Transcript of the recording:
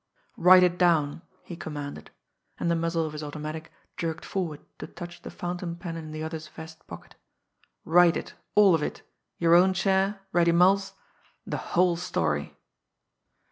"Write it down!" he commanded and the muzzle of his automatic jerked forward to touch the fountain pen in the other's vest pocket. "Write it all of it your own share Reddy Mull's the whole story!"